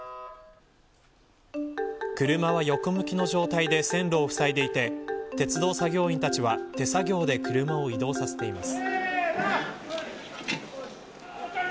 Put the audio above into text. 車は横向きの状態で線路を塞いでいて鉄道作業員たちは手作業で車を移動させています。